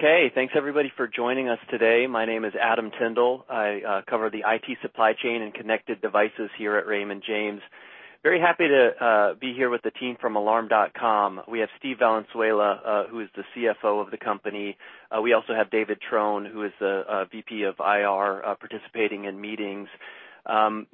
Okay. Thanks everybody for joining us today. My name is Adam Tindle. I cover the IT supply chain and connected devices here at Raymond James. Very happy to be here with the team from Alarm.com. We have Steve Valenzuela, who is the CFO of the company. We also have David Trone, who is the VP of IR, participating in meetings.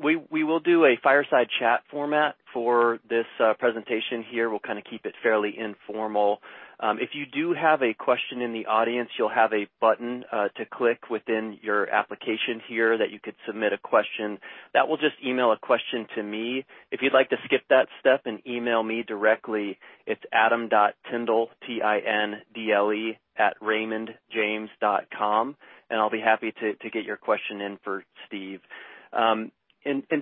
We will do a fireside chat format for this presentation here. We'll keep it fairly informal. If you do have a question in the audience, you'll have a button to click within your application here that you could submit a question. That will just email a question to me. If you'd like to skip that step and email me directly, it's adam.tindle, T-I-N-D-L-E, @raymondjames.com, and I'll be happy to get your question in for Steve.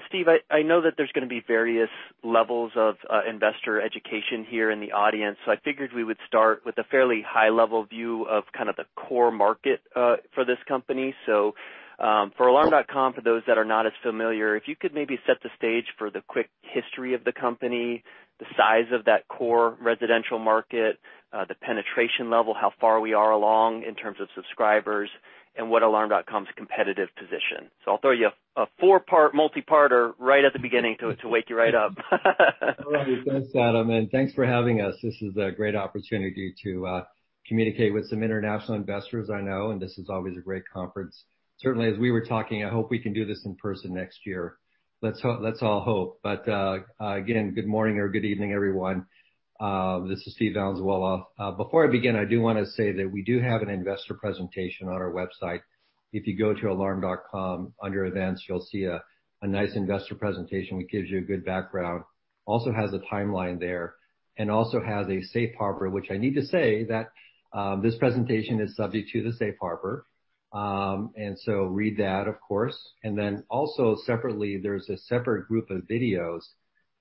Steve, I know that there's going to be various levels of investor education here in the audience, so I figured we would start with a fairly high level view of the core market for this company. For Alarm.com, for those that are not as familiar, if you could maybe set the stage for the quick history of the company, the size of that core residential market, the penetration level, how far we are along in terms of subscribers, and what Alarm.com's competitive position is. I'll throw you a four-part multi-parter right at the beginning to wake you right up. All right. Thanks, Adam, and thanks for having us. This is a great opportunity to communicate with some international investors I know, and this is always a great conference. Certainly, as we were talking, I hope we can do this in person next year. Let's all hope. Again, good morning or good evening, everyone. This is Steve Valenzuela. Before I begin, I do want to say that we do have an investor presentation on our website. If you go to alarm.com, under Events, you'll see a nice investor presentation, which gives you a good background, also has a timeline there, and also has a safe harbor, which I need to say that this presentation is subject to the safe harbor. Read that, of course. Also separately, there's a separate group of videos,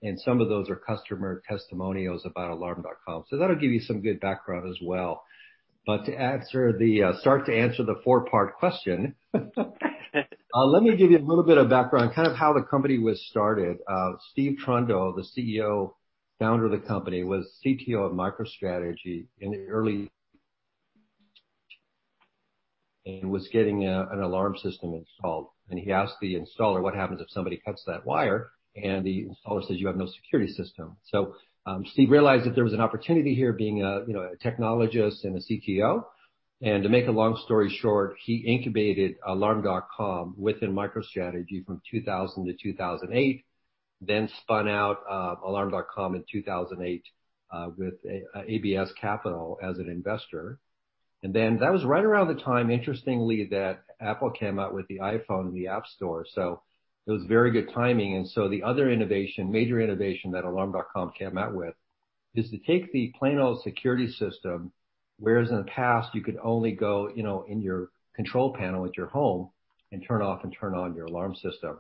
and some of those are customer testimonials about Alarm.com. That'll give you some good background as well. To start to answer the four-part question, let me give you a little bit of background, how the company was started. Steve Trundle, the CEO, founder of the company, was CTO of MicroStrategy in the early. He was getting an alarm system installed, and he asked the installer, "What happens if somebody cuts that wire?" The installer says, "You have no security system." Steve realized that there was an opportunity here, being a technologist and a CTO. To make a long story short, he incubated Alarm.com within MicroStrategy from 2000 to 2008, then spun out Alarm.com in 2008, with ABS Capital as an investor. Then that was right around the time, interestingly, that Apple came out with the iPhone and the App Store. It was very good timing. The other major innovation that Alarm.com came out with is to take the plain old security system, whereas in the past, you could only go in your control panel at your home and turn off and turn on your alarm system.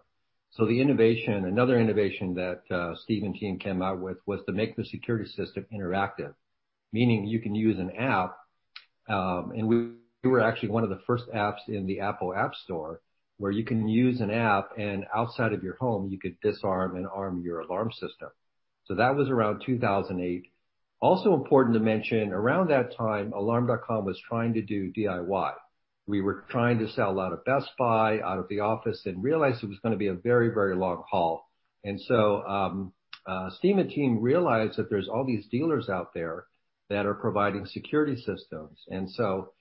Another innovation that Steve and team came out with was to make the security system interactive, meaning you can use an app. We were actually one of the first apps in the Apple App Store, where you can use an app, and outside of your home, you could disarm and arm your alarm system. That was around 2008. Also important to mention, around that time, Alarm.com was trying to do DIY. We were trying to sell out of Best Buy, out of the office, and realized it was going to be a very long haul. Steve and team realized that there's all these dealers out there that are providing security systems, and so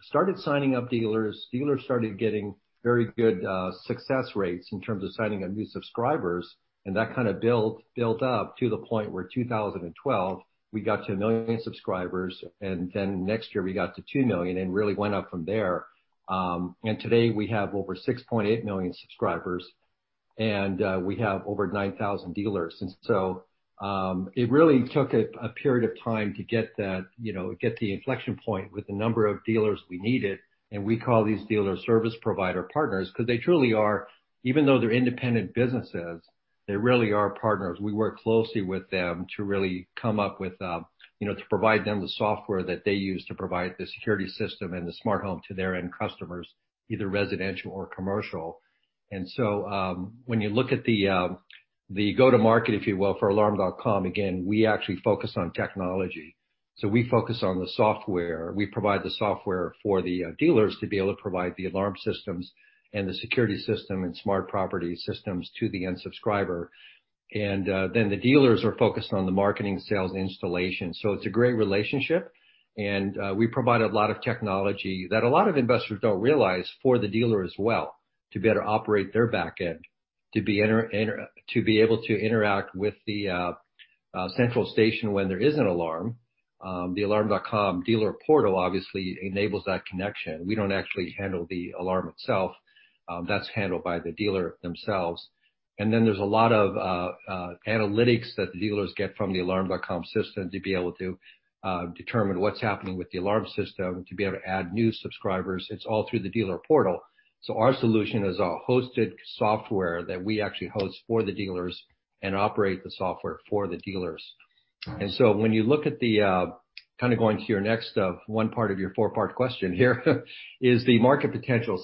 started signing up dealers. Dealers started getting very good success rates in terms of signing up new subscribers, and that kind of built up to the point where 2012, we got to 1 million subscribers, and then next year we got to 2 million and really went up from there. Today we have over 6.8 million subscribers, and we have over 9,000 dealers. It really took a period of time to get the inflection point with the number of dealers we needed. We call these dealers service provider partners because they truly are. Even though they're independent businesses, they really are partners. We work closely with them to provide them the software that they use to provide the security system and the smart home to their end customers, either residential or commercial. When you look at the go-to-market, if you will, for Alarm.com, again, we actually focus on technology. We focus on the software. We provide the software for the dealers to be able to provide the alarm systems and the security system and smart property systems to the end subscriber. The dealers are focused on the marketing, sales, and installation. It's a great relationship, and we provide a lot of technology that a lot of investors don't realize for the dealer as well to better operate their back end, to be able to interact with the central station when there is an alarm. The Alarm.com dealer portal obviously enables that connection. We don't actually handle the alarm itself. That's handled by the dealer themselves. There's a lot of analytics that the dealers get from the Alarm.com system to be able to determine what's happening with the alarm system, to be able to add new subscribers. It's all through the Partner Portal. Our solution is a hosted software that we actually host for the dealers and operate the software for the dealers. When you look at the, kind of going to your next one part of your four-part question here, is the market potential.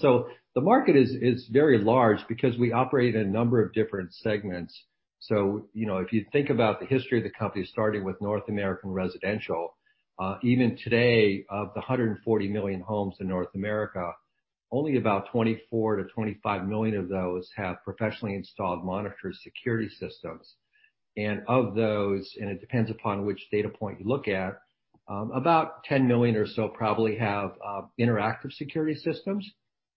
The market is very large because we operate in a number of different segments. So, if you think about the history of the company, starting with North American residential, even today, of the 140 million homes in North America, only about 24 million-25 million of those have professionally installed monitored security systems. Of those, and it depends upon which data point you look at, about 10 million or so probably have interactive security systems.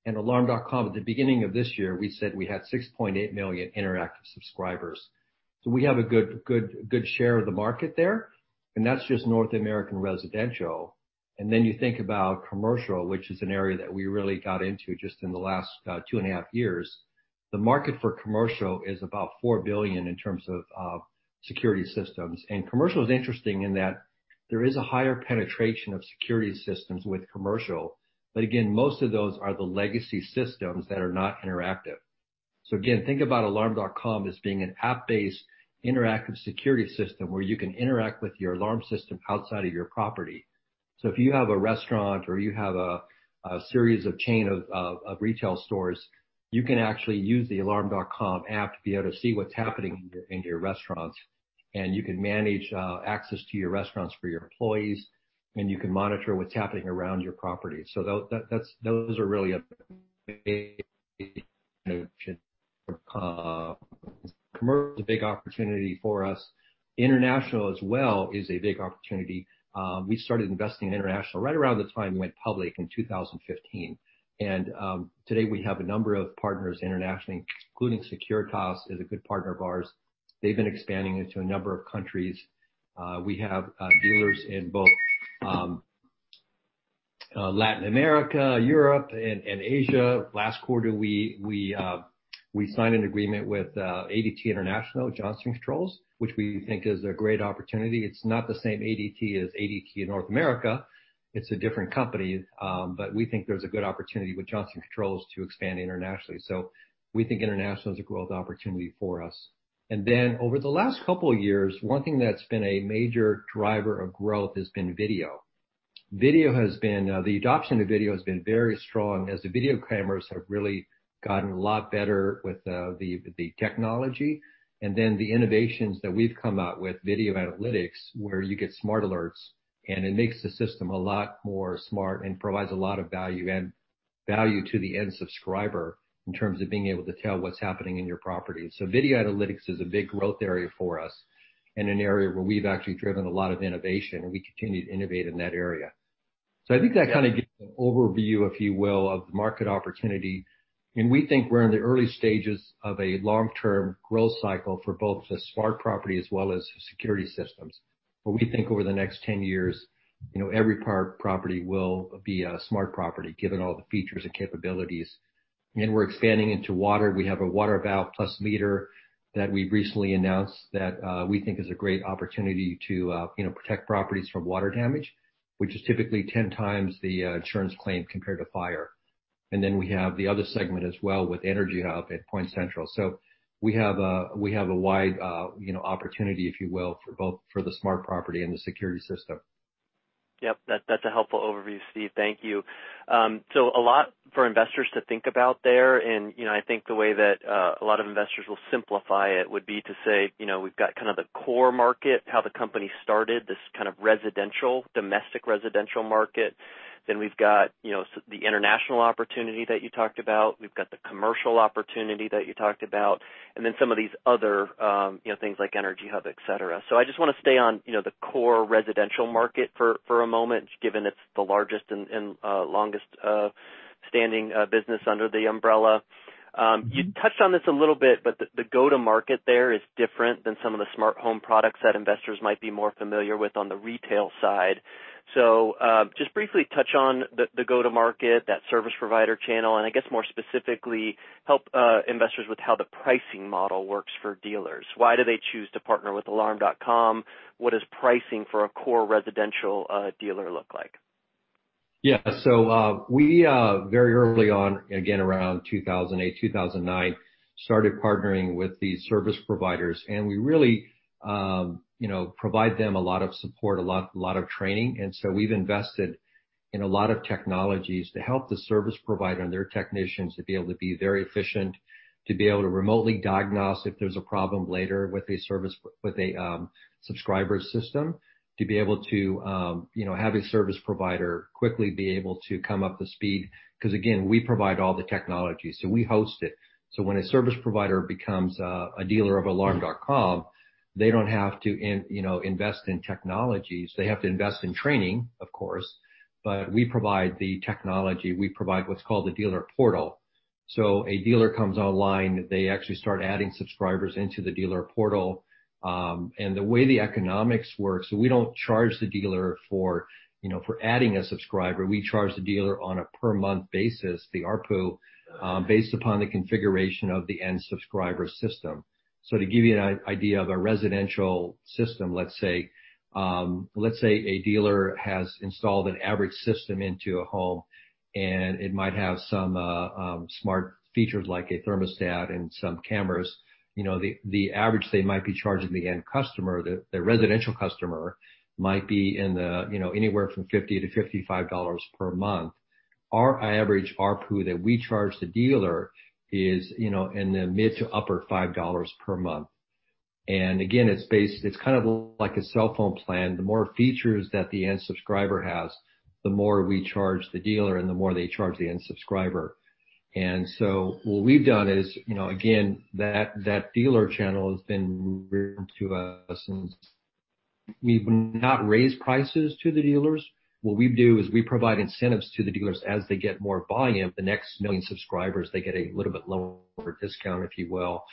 Alarm.com, at the beginning of this year, we said we had 6.8 million interactive subscribers. We have a good share of the market there, and that's just North American residential. Then you think about commercial, which is an area that we really got into just in the last 2.5 years. The market for commercial is about $4 billion in terms of security systems. Commercial is interesting in that there is a higher penetration of security systems with commercial. Again, most of those are the legacy systems that are not interactive. Again, think about Alarm.com as being an app-based interactive security system where you can interact with your alarm system outside of your property. If you have a restaurant or you have a series of chain of retail stores, you can actually use the Alarm.com app to be able to see what's happening in your restaurants, and you can manage access to your restaurants for your employees, and you can monitor what's happening around your property. Those are really a big commercial, a big opportunity for us. International as well is a big opportunity. We started investing in international right around the time we went public in 2015. Today, we have a number of partners internationally, including Securitas is a good partner of ours. They've been expanding into a number of countries. We have dealers in both Latin America, Europe, and Asia. Last quarter, we signed an agreement with ADT International, Johnson Controls, which we think is a great opportunity. It's not the same ADT as ADT in North America. It's a different company. We think there's a good opportunity with Johnson Controls to expand internationally. We think international is a growth opportunity for us. Over the last couple of years, one thing that's been a major driver of growth has been video. The adoption of video has been very strong as the video cameras have really gotten a lot better with the technology and then the innovations that we've come out with Video Analytics, where you get smart alerts, and it makes the system a lot more smart and provides a lot of value to the end subscriber in terms of being able to tell what's happening in your property. Video Analytics is a big growth area for us and an area where we've actually driven a lot of innovation, and we continue to innovate in that area. I think that kind of gives an overview, if you will, of the market opportunity, and we think we're in the early stages of a long-term growth cycle for both the smart property as well as security systems. We think over the next 10 years every property will be a smart property, given all the features and capabilities. We're expanding into water. We have a Water Valve+Meter that we recently announced that we think is a great opportunity to protect properties from water damage, which is typically 10 times the insurance claim compared to fire. Then we have the other segment as well with EnergyHub at PointCentral. We have a wide opportunity, if you will, for both for the smart property and the security system. Yep. That's a helpful overview, Steve. Thank you. A lot for investors to think about there. I think the way that a lot of investors will simplify it would be to say, we've got the core market, how the company started, this kind of residential, domestic residential market. We've got the international opportunity that you talked about. We've got the commercial opportunity that you talked about, some of these other things like EnergyHub, et cetera. I just want to stay on the core residential market for a moment, given it's the largest and longest standing business under the umbrella. You touched on this a little bit, the go-to-market there is different than some of the smart home products that investors might be more familiar with on the retail side. Just briefly touch on the go-to-market, that service provider channel, and I guess more specifically, help investors with how the pricing model works for dealers. Why do they choose to partner with Alarm.com? What does pricing for a core residential dealer look like? Yeah. We very early on, again, around 2008, 2009, started partnering with these service providers, and we really provide them a lot of support, a lot of training. We've invested in a lot of technologies to help the service provider and their technicians to be able to be very efficient, to be able to remotely diagnose if there's a problem later with a subscriber's system, to be able to have a service provider quickly be able to come up to speed, because again, we provide all the technology, so we host it. When a service provider becomes a dealer of Alarm.com, they don't have to invest in technologies. They have to invest in training, of course, but we provide the technology. We provide what's called the Dealer Portal. A dealer comes online, they actually start adding subscribers into the Dealer Portal. The way the economics work, we don't charge the dealer for adding a subscriber. We charge the dealer on a per month basis, the ARPU, based upon the configuration of the end subscriber system. To give you an idea of a residential system, let's say a dealer has installed an average system into a home, and it might have some smart features like a thermostat and some cameras. The average they might be charging the end customer, the residential customer, might be anywhere from $50-$55 per month. Our average ARPU that we charge the dealer is in the mid to upper $5 per month. Again, it's kind of like a cell phone plan. The more features that the end subscriber has, the more we charge the dealer and the more they charge the end subscriber. What we've done is, again, that dealer channel has been to us, and we've not raised prices to the dealers. What we do is we provide incentives to the dealers as they get more volume. The next 1 million subscribers, they get a little bit lower discount, if you will.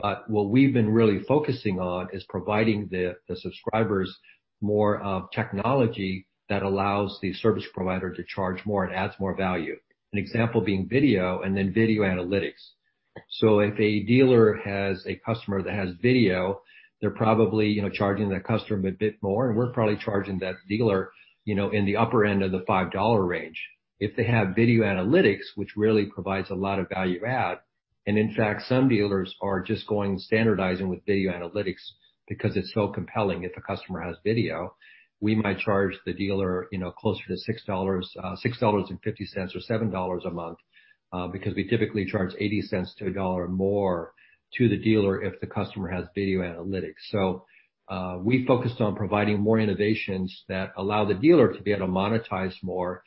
What we've been really focusing on is providing the subscribers more of technology that allows the service provider to charge more and adds more value. An example being video and then Video Analytics. If a dealer has a customer that has video, they're probably charging that customer a bit more, and we're probably charging that dealer in the upper end of the $5 range. If they have Video Analytics, which really provides a lot of value add, and in fact, some dealers are just going standardizing with Video Analytics because it's so compelling. If a customer has video, we might charge the dealer closer to $6.50 or $7 a month, because we typically charge $0.80-$1 more to the dealer if the customer has Video Analytics. We focused on providing more innovations that allow the dealer to be able to monetize more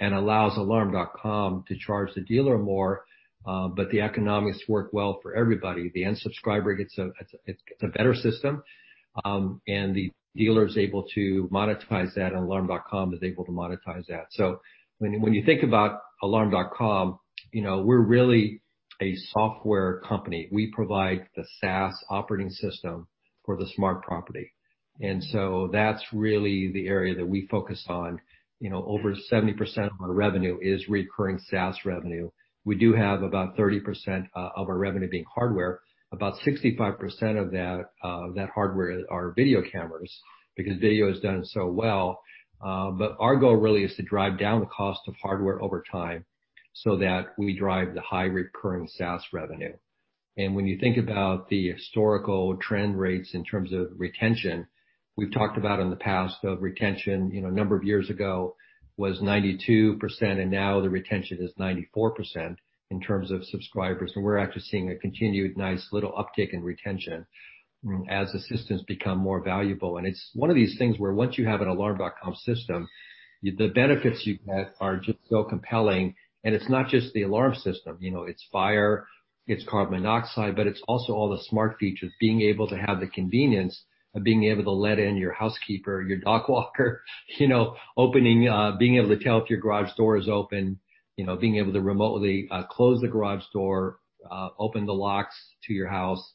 and allows Alarm.com to charge the dealer more, but the economics work well for everybody. The end subscriber gets a better system, the dealer is able to monetize that, and Alarm.com is able to monetize that. When you think about Alarm.com, we're really a software company. We provide the SaaS operating system for the smart property, that's really the area that we focus on. Over 70% of our revenue is recurring SaaS revenue. We do have about 30% of our revenue being hardware. About 65% of that hardware are video cameras because video has done so well. Our goal really is to drive down the cost of hardware over time so that we drive the high recurring SaaS revenue. When you think about the historical trend rates in terms of retention, we've talked about in the past, retention a number of years ago was 92%, and now the retention is 94% in terms of subscribers. We're actually seeing a continued nice little uptick in retention as the systems become more valuable. It's one of these things where once you have an Alarm.com system, the benefits you get are just so compelling. It's not just the alarm system, it's fire, it's carbon monoxide, but it's also all the smart features. Being able to have the convenience of being able to let in your housekeeper, your dog walker, being able to tell if your garage door is open, being able to remotely close the garage door, open the locks to your house,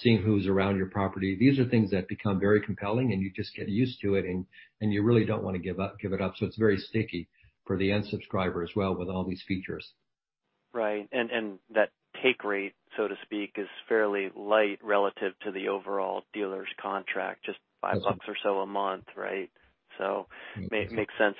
seeing who's around your property. These are things that become very compelling, and you just get used to it, and you really don't want to give it up. It's very sticky for the end subscriber as well, with all these features. Right. That take rate, so to speak, is fairly light relative to the overall dealer's contract. Just $5 or so a month, right? Makes sense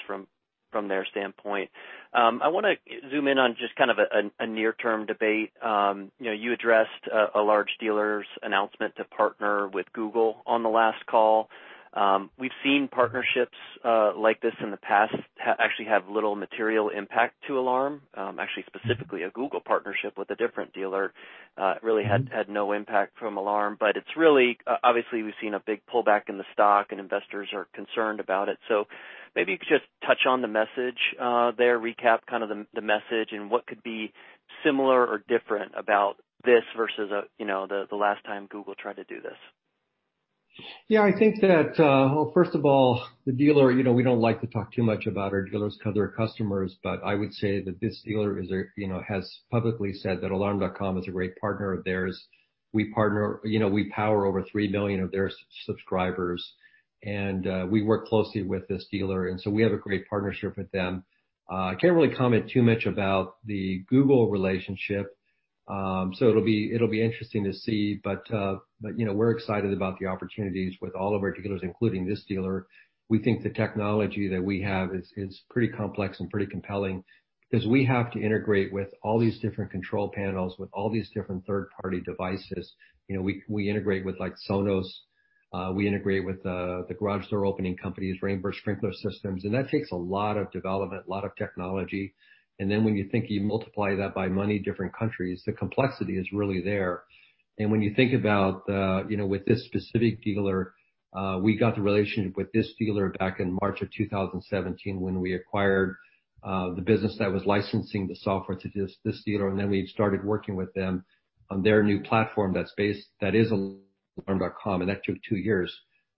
from their standpoint. I want to zoom in on just kind of a near term debate. You addressed a large dealer's announcement to partner with Google on the last call. We've seen partnerships like this in the past actually have little material impact to Alarm. Actually, specifically a Google partnership with a different dealer really had no impact from Alarm. Obviously, we've seen a big pullback in the stock and investors are concerned about it. Maybe you could just touch on the message there, recap kind of the message, and what could be similar or different about this versus the last time Google tried to do this. I think that, well, first of all, the dealer, we don't like to talk too much about our dealers because they're customers. I would say that this dealer has publicly said that Alarm.com is a great partner of theirs. We power over 3 million of their subscribers, and we work closely with this dealer, we have a great partnership with them. I can't really comment too much about the Google relationship. It'll be interesting to see, but we're excited about the opportunities with all of our dealers, including this dealer. We think the technology that we have is pretty complex and pretty compelling, because we have to integrate with all these different control panels, with all these different third party devices. We integrate with Sonos, we integrate with the garage door opening companies, Rain Bird Sprinkler Systems. That takes a lot of development, a lot of technology. When you think you multiply that by many different countries, the complexity is really there. When you think about with this specific dealer, we got the relationship with this dealer back in March of 2017 when we acquired the business that was licensing the software to this dealer, then we started working with them on their new platform that is Alarm.com. That took two years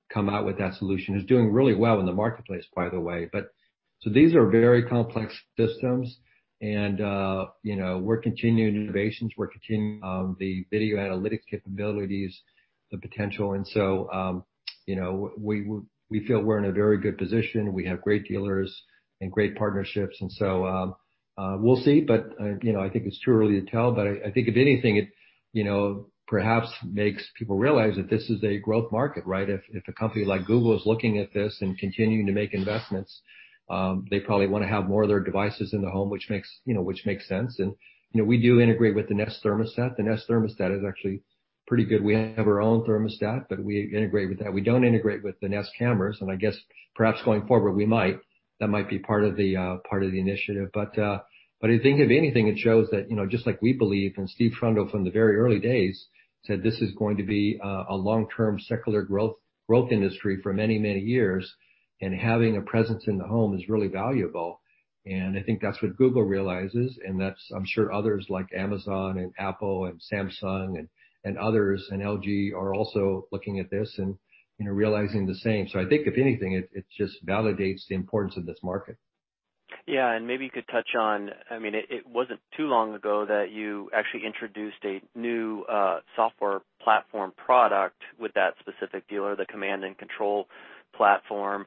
to come out with that solution. It's doing really well in the marketplace, by the way. These are very complex systems, we're continuing innovations. We're continuing the Video Analytics capabilities, the potential. We feel we're in a very good position, and we have great dealers and great partnerships, so we'll see. I think it's too early to tell, but I think if anything, it perhaps makes people realize that this is a growth market, right? If a company like Google is looking at this and continuing to make investments, they probably want to have more of their devices in the home, which makes sense. We do integrate with the Nest Thermostat. The Nest Thermostat is actually pretty good. We have our own thermostat, but we integrate with that. We don't integrate with the Nest Cam, and I guess perhaps going forward, we might. That might be part of the initiative. I think if anything, it shows that just like we believe, Stephen Trundle from the very early days said this is going to be a long-term secular growth industry for many, many years, and having a presence in the home is really valuable. I think that's what Google realizes, and that's I'm sure others like Amazon and Apple and Samsung and others and LG are also looking at this and realizing the same. I think if anything, it just validates the importance of this market. Yeah. Maybe you could touch on, it wasn't too long ago that you actually introduced a new software platform product with that specific dealer, the command and control platform.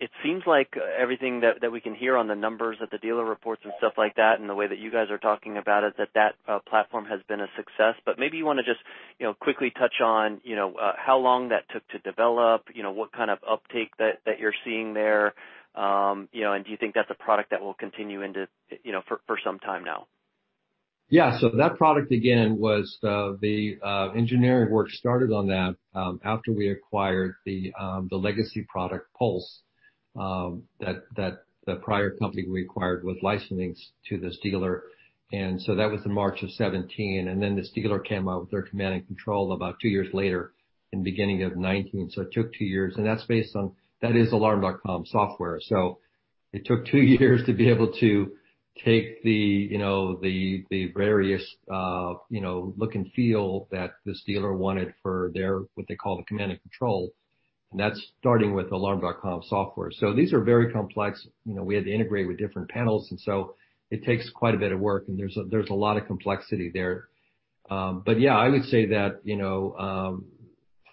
It seems like everything that we can hear on the numbers that the dealer reports and stuff like that, and the way that you guys are talking about it, that platform has been a success. Maybe you want to just quickly touch on how long that took to develop, what kind of uptake that you're seeing there, and do you think that's a product that will continue for some time now? Yeah. That product, again, the engineering work started on that after we acquired the legacy product, Pulse. The prior company we acquired was licensing to this dealer. That was in March of 2017, and then this dealer came out with their command and control about two years later in the beginning of 2019. It took two years, and that is Alarm.com software. It took two years to be able to take the various look and feel that this dealer wanted for their, what they call the command and control, and that's starting with Alarm.com software. These are very complex. We had to integrate with different panels, and so it takes quite a bit of work, and there's a lot of complexity there. Yeah, I would say that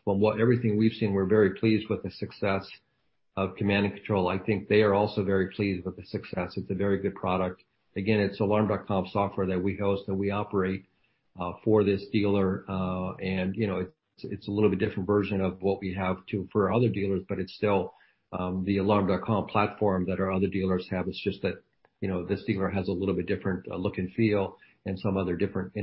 from everything we've seen, we're very pleased with the success of command and control. I think they are also very pleased with the success. It's a very good product. Again, it's Alarm.com software that we host and we operate for this dealer. It's a little bit different version of what we have for other dealers, but it's still the Alarm.com platform that our other dealers have. It's just that this dealer has a little bit different look and feel and some other different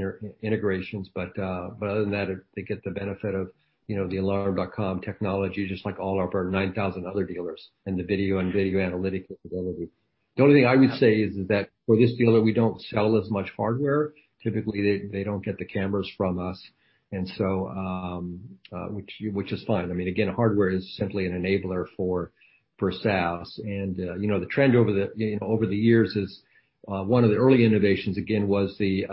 integrations. Other than that, they get the benefit of the Alarm.com technology, just like all of our 9,000 other dealers and the video and data analytic capability. The only thing I would say is that for this dealer, we don't sell as much hardware. Typically, they don't get the cameras from us, which is fine. Again, hardware is simply an enabler for SaaS. The trend over the years is one of the early innovations, again, was the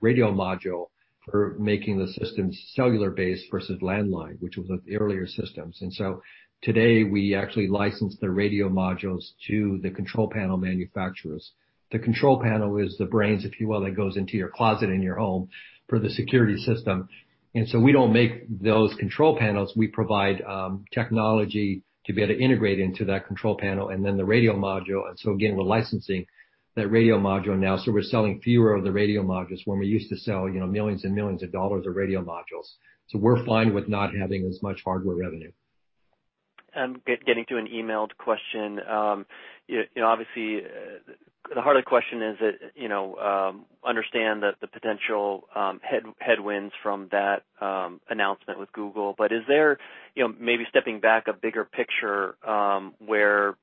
radio module for making the systems cellular based versus landline, which was the earlier systems. Today we actually license the radio modules to the control panel manufacturers. The control panel is the brains, if you will, that goes into your closet in your home for the security system. We don't make those control panels. We provide technology to be able to integrate into that control panel and then the radio module. Again, we're licensing that radio module now, so we're selling fewer of the radio modules when we used to sell millions and millions of dollars of radio modules. We're fine with not having as much hardware revenue. I'm getting to an emailed question. Obviously, the heart of the question is understand that the potential headwinds from that announcement with Google. Is there, maybe stepping back a bigger picture, where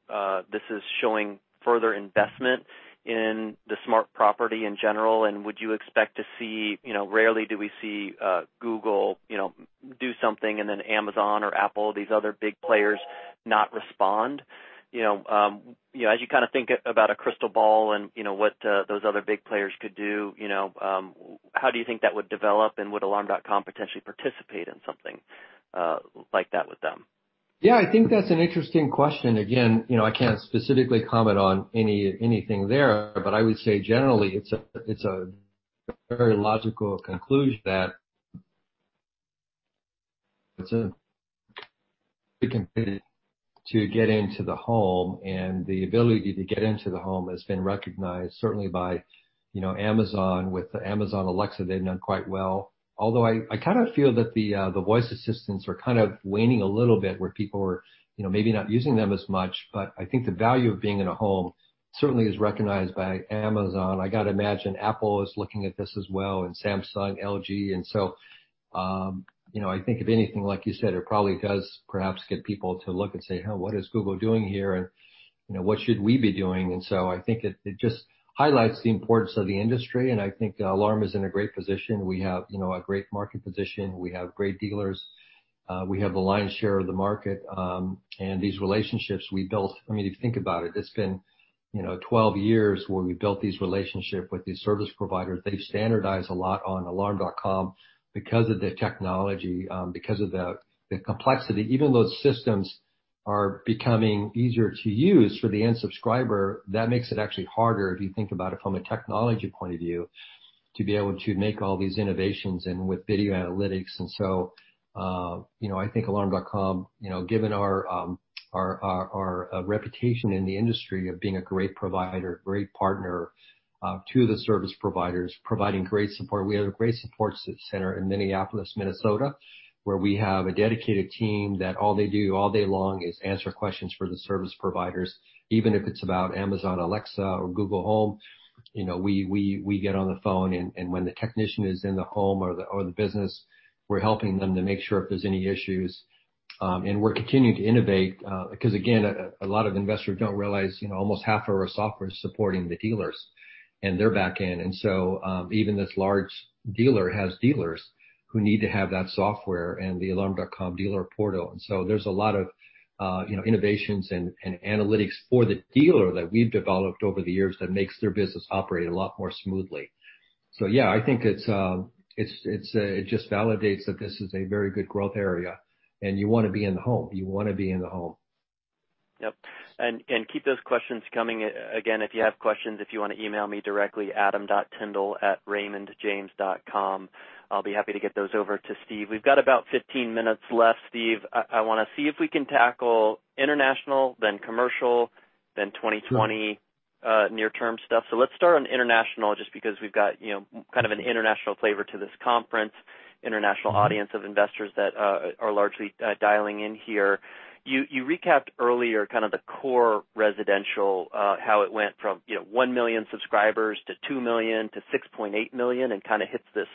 this is showing further investment in the smart property in general? Would you expect to see, rarely do we see Google do something and then Amazon or Apple, these other big players, not respond. As you think about a crystal ball and what those other big players could do, how do you think that would develop, and would Alarm.com potentially participate in something like that with them? Yeah, I think that's an interesting question. Again, I can't specifically comment on anything there, but I would say generally, it's a very logical conclusion that it's a big to get into the home, and the ability to get into the home has been recognized certainly by Amazon with Amazon Alexa, they've done quite well. Although I kind of feel that the voice assistants are kind of waning a little bit, where people are maybe not using them as much, but I think the value of being in a home certainly is recognized by Amazon. I got to imagine Apple is looking at this as well, and Samsung, LG. I think if anything, like you said, it probably does perhaps get people to look and say, "Huh, what is Google doing here? What should we be doing? I think it just highlights the importance of the industry, and I think Alarm is in a great position. We have a great market position. We have great dealers. We have the lion's share of the market. These relationships we built, if you think about it's been 12 years where we built these relationships with these service providers. They've standardized a lot on Alarm.com because of the technology, because of the complexity. Even though systems are becoming easier to use for the end subscriber, that makes it actually harder, if you think about it from a technology point of view, to be able to make all these innovations and with Video Analytics. I think Alarm.com, given our reputation in the industry of being a great provider, great partner to the service providers, providing great support. We have a great support center in Minneapolis, Minnesota, where we have a dedicated team that all they do all day long is answer questions for the service providers, even if it's about Amazon Alexa or Google Home. We get on the phone, when the technician is in the home or the business, we're helping them to make sure if there's any issues. We're continuing to innovate, because again, a lot of investors don't realize almost half of our software is supporting the dealers and their back end. Even this large dealer has dealers who need to have that software and the Alarm.com Partner Portal. There's a lot of innovations and analytics for the dealer that we've developed over the years that makes their business operate a lot more smoothly. Yeah, I think it just validates that this is a very good growth area and you want to be in the home. You want to be in the home. Yep. Keep those questions coming. Again, if you have questions, if you want to email me directly, adam.tindle@raymondjames.com. I'll be happy to get those over to Steve. We've got about 15 minutes left, Steve. I want to see if we can tackle international, then commercial, then 2020- Sure near term stuff. Let's start on international, just because we've got an international flavor to this conference, international audience of investors that are largely dialing in here. You recapped earlier the core residential, how it went from 1 million subscribers to 2 million to 6.8 million and hits this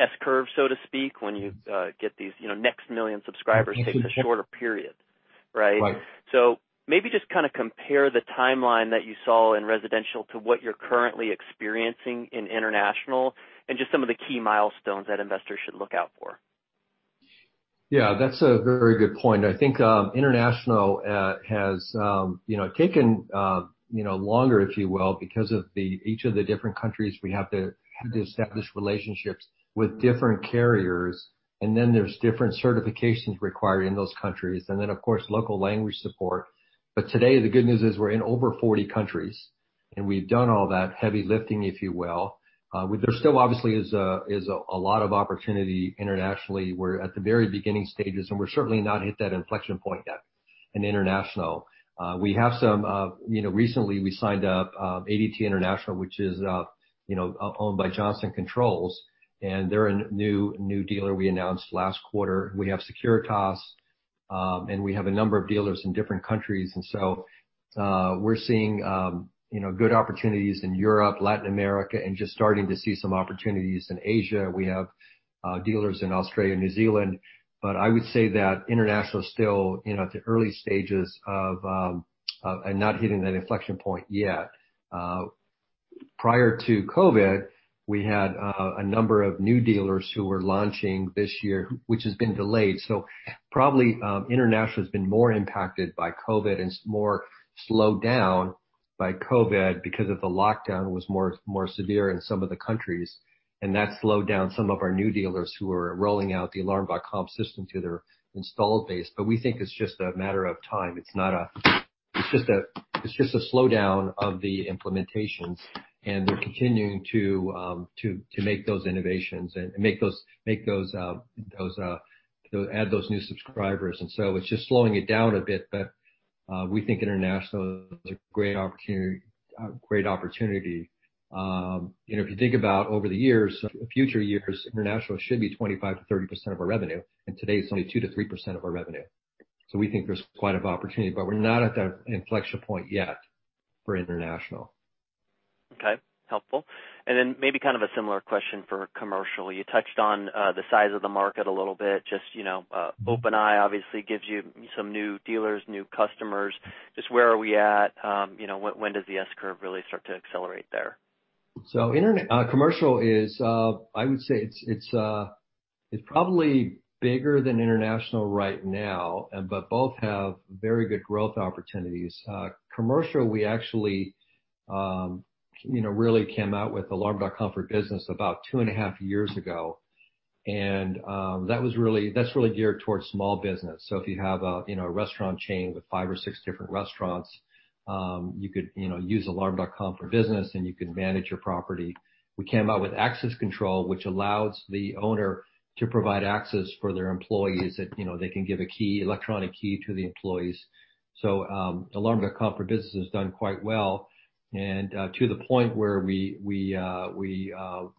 S-curve, so to speak, when you get these next million subscribers takes a shorter period, right? Right. Maybe just compare the timeline that you saw in residential to what you're currently experiencing in international and just some of the key milestones that investors should look out for. Yeah, that's a very good point. I think international has taken longer, if you will, because of each of the different countries we have to establish relationships with different carriers, and then there's different certifications required in those countries, and then, of course, local language support. Today, the good news is we're in over 40 countries, and we've done all that heavy lifting, if you will. There still obviously is a lot of opportunity internationally. We're at the very beginning stages, and we've certainly not hit that inflection point yet in international. Recently we signed up ADT International, which is owned by Johnson Controls, and they're a new dealer we announced last quarter. We have Securitas, and we have a number of dealers in different countries. We're seeing good opportunities in Europe, Latin America, and just starting to see some opportunities in Asia. We have dealers in Australia and New Zealand. I would say that international is still at the early stages of, and not hitting that inflection point yet. Prior to COVID, we had a number of new dealers who were launching this year, which has been delayed. Probably international has been more impacted by COVID and more slowed down by COVID because of the lockdown was more severe in some of the countries, and that slowed down some of our new dealers who were rolling out the Alarm.com system to their installed base. We think it's just a matter of time. It's just a slowdown of the implementations, and they're continuing to make those innovations and add those new subscribers. It's just slowing it down a bit. We think international is a great opportunity. If you think about over the years, future years, international should be 25%-30% of our revenue, and today it's only 2%-3% of our revenue. We think there's quite of opportunity, but we're not at that inflection point yet for international. Okay. Helpful. Then maybe a similar question for commercial. You touched on the size of the market a little bit. OpenEye obviously gives you some new dealers, new customers. Just where are we at? When does the S curve really start to accelerate there? Commercial is, I would say, it's probably bigger than international right now, but both have very good growth opportunities. Commercial, we actually really came out with Alarm.com for Business about 2.5 years ago, and that's really geared towards small business. If you have a restaurant chain with five or six different restaurants, you could use Alarm.com for Business, and you can manage your property. We came out with access control, which allows the owner to provide access for their employees that they can give an electronic key to the employees. Alarm.com for Business has done quite well and to the point where we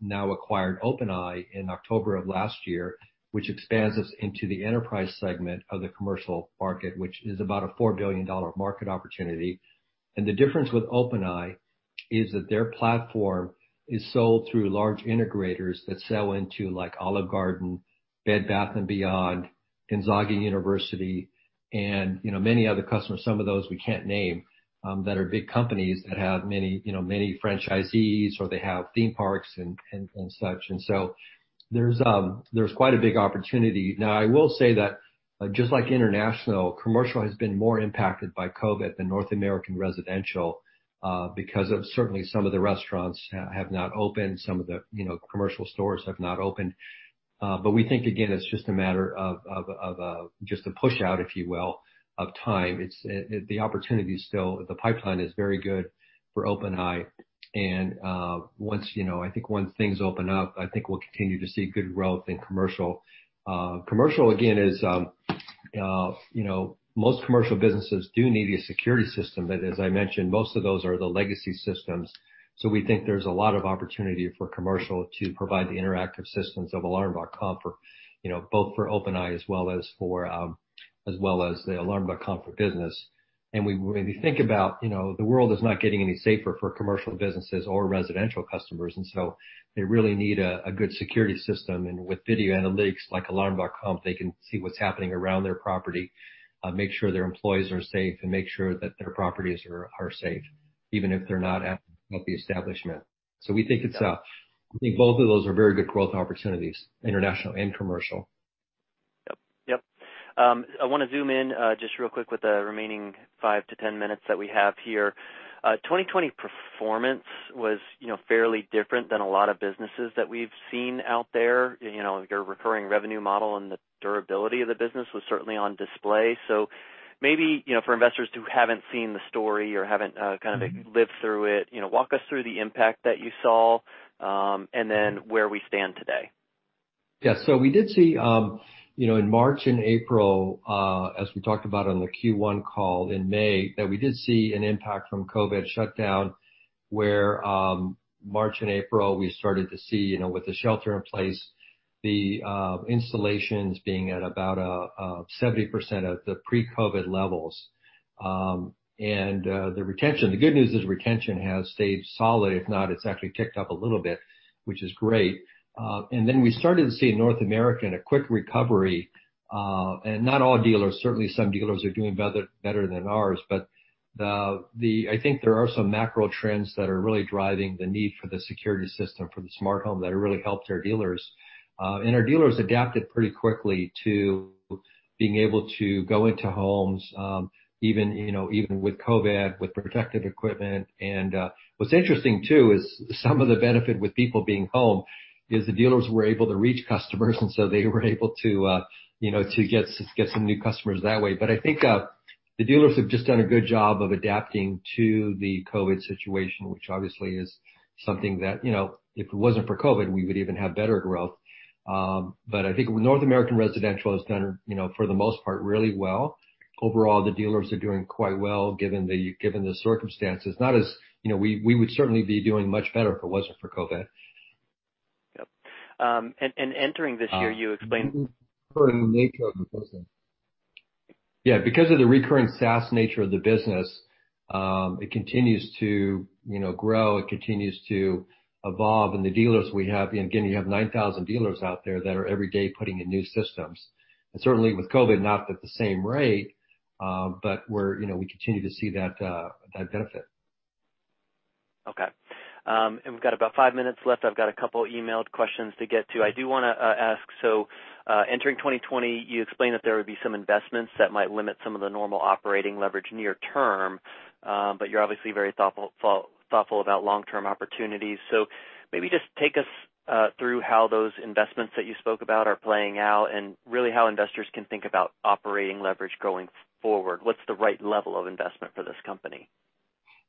now acquired OpenEye in October of last year, which expands us into the enterprise segment of the commercial market, which is about a $4 billion market opportunity. The difference with OpenEye is that their platform is sold through large integrators that sell into, like Olive Garden, Bed Bath & Beyond, Gonzaga University, and many other customers, some of those we can't name, that are big companies that have many franchisees, or they have theme parks and such. So there's quite a big opportunity. I will say that just like international, commercial has been more impacted by COVID than North American residential, because of certainly some of the restaurants have not opened, some of the commercial stores have not opened. We think, again, it's just a matter of just a push out, if you will, of time. The pipeline is very good for OpenEye, and I think once things open up, I think we'll continue to see good growth in commercial. Commercial again is, most commercial businesses do need a security system, but as I mentioned, most of those are the legacy systems. We think there's a lot of opportunity for commercial to provide the interactive systems of Alarm.com both for OpenEye as well as for the Alarm.com for Business. When you think about it, the world is not getting any safer for commercial businesses or residential customers. They really need a good security system. With Video Analytics like Alarm.com, they can see what's happening around their property, make sure their employees are safe, and make sure that their properties are safe, even if they're not at the establishment. We think both of those are very good growth opportunities, international and commercial. Yep. I want to zoom in just real quick with the remaining 5 to 10 minutes that we have here. 2020 performance was fairly different than a lot of businesses that we've seen out there. Your recurring revenue model and the durability of the business was certainly on display. Maybe, for investors who haven't seen the story or haven't kind of lived through it, walk us through the impact that you saw, and then where we stand today. Yes. We did see, in March and April, as we talked about on the Q1 call in May, that we did see an impact from COVID shutdown, where March and April, we started to see, with the shelter in place, the installations being at about 70% of the pre-COVID levels. The retention, the good news is retention has stayed solid. If not, it's actually ticked up a little bit, which is great. We started to see North America in a quick recovery. Not all dealers, certainly some dealers are doing better than ours, but I think there are some macro trends that are really driving the need for the security system for the smart home that have really helped our dealers. Our dealers adapted pretty quickly to being able to go into homes, even with COVID, with protective equipment. What's interesting, too, is some of the benefit with people being home is the dealers were able to reach customers, so they were able to get some new customers that way. I think the dealers have just done a good job of adapting to the COVID situation, which obviously is something that, if it wasn't for COVID, we would even have better growth. I think North American residential has done, for the most part, really well. Overall, the dealers are doing quite well given the circumstances. We would certainly be doing much better if it wasn't for COVID. Yep. Entering this year. Nature of the business. Yeah, because of the recurring SaaS nature of the business, it continues to grow, it continues to evolve. The dealers we have, again, you have 9,000 dealers out there that are every day putting in new systems. Certainly with COVID, not at the same rate, but we continue to see that benefit. Okay. We've got about five minutes left. I've got a couple emailed questions to get to. I do want to ask, so entering 2020, you explained that there would be some investments that might limit some of the normal operating leverage near term, but you're obviously very thoughtful about long-term opportunities. Maybe just take us through how those investments that you spoke about are playing out, and really how investors can think about operating leverage going forward. What's the right level of investment for this company?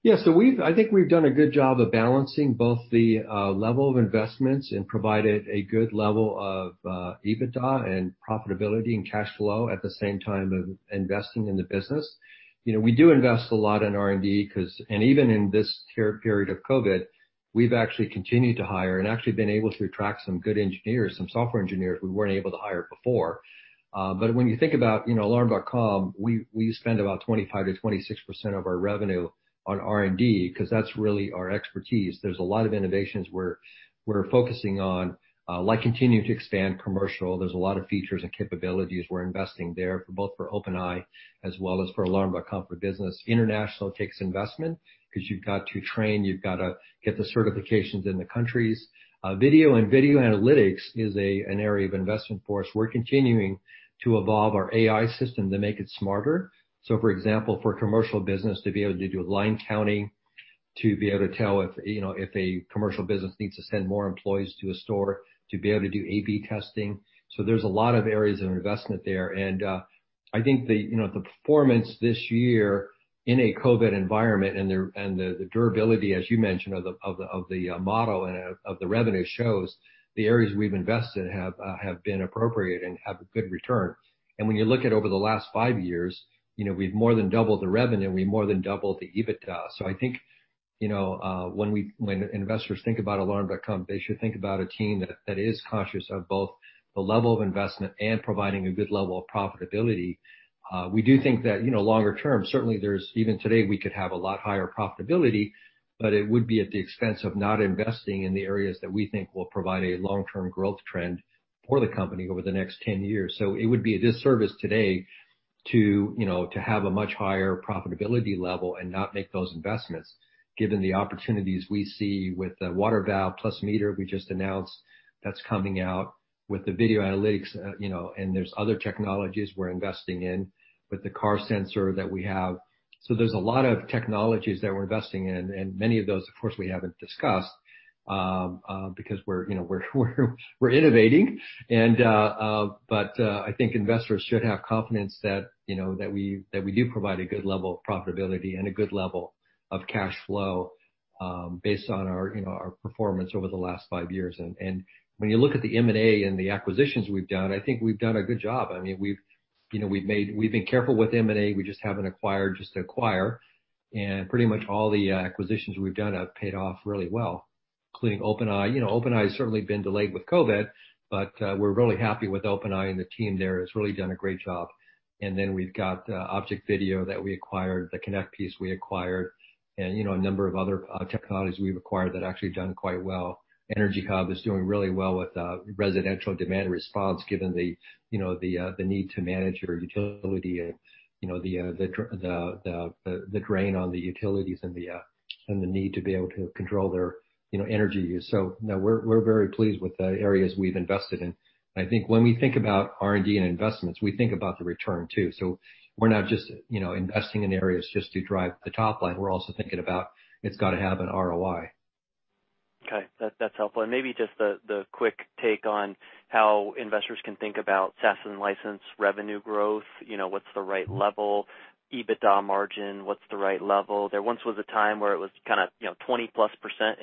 I think we've done a good job of balancing both the level of investments and provided a good level of EBITDA and profitability and cash flow at the same time of investing in the business. We do invest a lot in R&D, and even in this period of COVID, we've actually continued to hire and actually been able to attract some good engineers, some software engineers we weren't able to hire before. When you think about Alarm.com, we spend about 25%-26% of our revenue on R&D, because that's really our expertise. There's a lot of innovations we're focusing on, like continuing to expand commercial. There's a lot of features and capabilities we're investing there, both for OpenEye as well as for Alarm.com for Business. International takes investment because you've got to train, you've got to get the certifications in the countries. Video and Video Analytics is an area of investment for us. We're continuing to evolve our AI system to make it smarter. For example, for a commercial business to be able to do line counting, to be able to tell if a commercial business needs to send more employees to a store, to be able to do A/B testing. There's a lot of areas of investment there. I think the performance this year in a COVID environment and the durability, as you mentioned, of the model and of the revenue shows the areas we've invested have been appropriate and have a good return. When you look at over the last five years, we've more than doubled the revenue, we more than doubled the EBITDA. I think, when investors think about Alarm.com, they should think about a team that is conscious of both the level of investment and providing a good level of profitability. We do think that longer term, certainly there's even today we could have a lot higher profitability, but it would be at the expense of not investing in the areas that we think will provide a long-term growth trend for the company over the next 10 years. It would be a disservice today to have a much higher profitability level and not make those investments, given the opportunities we see with the Water Valve plus Meter we just announced that's coming out, with the Video Analytics, and there's other technologies we're investing in, with the Car Connector that we have. There's a lot of technologies that we're investing in, and many of those, of course, we haven't discussed, because we're innovating. I think investors should have confidence that we do provide a good level of profitability and a good level of cash flow based on our performance over the last five years. When you look at the M&A and the acquisitions we've done, I think we've done a good job. We've been careful with M&A. We just haven't acquired just to acquire, and pretty much all the acquisitions we've done have paid off really well. Including OpenEye. OpenEye has certainly been delayed with COVID, but we're really happy with OpenEye, and the team there has really done a great job. Then we've got ObjectVideo that we acquired, the Connect piece we acquired, and a number of other technologies we've acquired that actually have done quite well. EnergyHub is doing really well with residential demand response, given the need to manage your utility and the drain on the utilities and the need to be able to control their energy use. No, we're very pleased with the areas we've invested in. I think when we think about R&D and investments, we think about the return, too. We're not just investing in areas just to drive the top line. We're also thinking about it's got to have an ROI. Okay. That's helpful. Maybe just the quick take on how investors can think about SaaS and license revenue growth. What's the right level? EBITDA margin, what's the right level? There once was a time where it was 20%+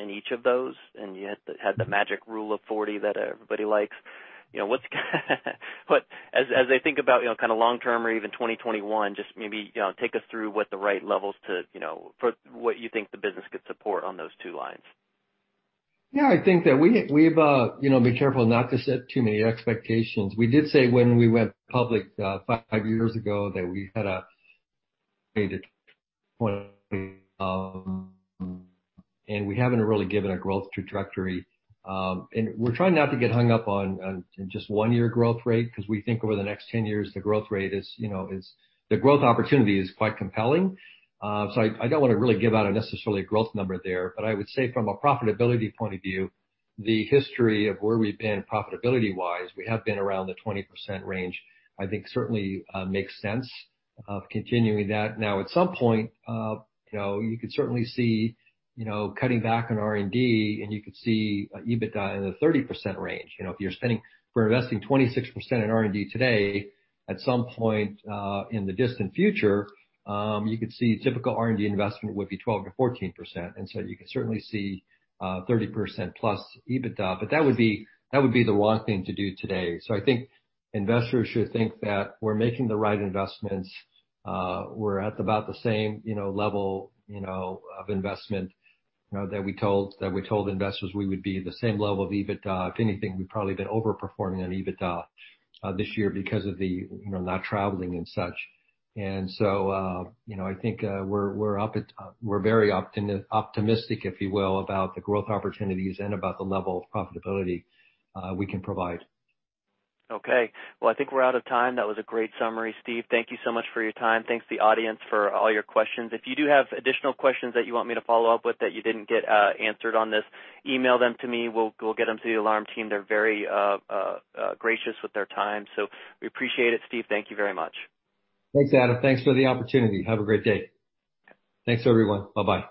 in each of those, and you had the magic rule of 40 that everybody likes. As I think about long term or even 2021, just maybe take us through what the right levels for what you think the business could support on those two lines. Yeah, I think that we've be careful not to set too many expectations. We did say when we went public five years ago that we had and we haven't really given a growth trajectory. We're trying not to get hung up on just one year growth rate, because we think over the next 10 years, the growth opportunity is quite compelling. I don't want to really give out a necessarily growth number there. I would say from a profitability point of view, the history of where we've been profitability-wise, we have been around the 20% range. I think certainly makes sense continuing that. At some point, you could certainly see cutting back on R&D, and you could see EBITDA in the 30% range. If you're investing 26% in R&D today, at some point in the distant future, you could see typical R&D investment would be 12%-14%. You could certainly see 30%+ EBITDA. That would be the wrong thing to do today. I think investors should think that we're making the right investments. We're at about the same level of investment that we told investors we would be, the same level of EBITDA. If anything, we've probably been over-performing on EBITDA this year because of the not traveling and such. I think we're very optimistic, if you will, about the growth opportunities and about the level of profitability we can provide. Well, I think we're out of time. That was a great summary, Steve. Thank you so much for your time. Thanks to the audience for all your questions. If you do have additional questions that you want me to follow up with that you didn't get answered on this, email them to me. We'll get them to the Alarm.com team. They're very gracious with their time. We appreciate it, Steve. Thank you very much. Thanks, Adam. Thanks for the opportunity. Have a great day. Thanks, everyone. Bye-bye.